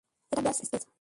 এটা ব্যস একটা স্কেচ।